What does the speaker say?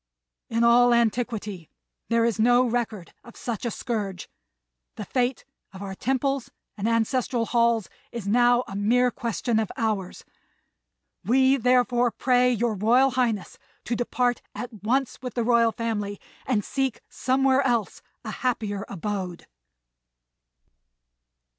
In all antiquity there is no record of such a scourge. The fate of our temples and ancestral halls is now a mere question of hours; we therefore pray your Royal Highness to depart at once with the Royal Family and seek somewhere else a happier abode."